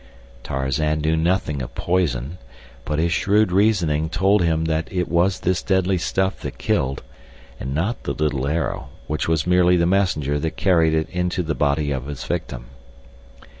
Tarzan knew nothing of poison, but his shrewd reasoning told him that it was this deadly stuff that killed, and not the little arrow, which was merely the messenger that carried it into the body of its victim.